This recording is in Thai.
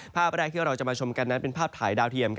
ภาพแรกที่เราจะมาชมกันนั้นเป็นภาพถ่ายดาวเทียม